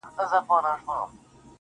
ما په اول ځل هم چنداني گټه ونه کړه.